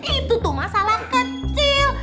itu tuh masalah kecil